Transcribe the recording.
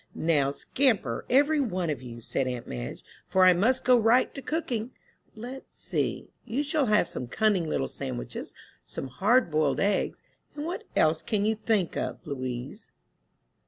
"Now scamper, every one of you," said aunt Madge, "for I must go right to cooking. Let's see, you shall have some cunning little sandwiches, some hard boiled eggs; and what else can you think of, Louise?"